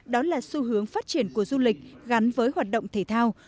đó là xu hướng phát triển của du lịch gắn với hoạt động thể thao